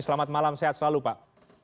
selamat malam sehat selalu pak